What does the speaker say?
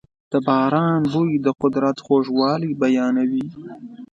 د باران بوی د قدرت خوږوالی بیانوي.